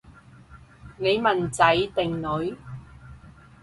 你問仔定女？